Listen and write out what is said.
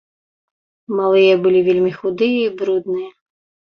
Малыя былі вельмі худыя і брудныя.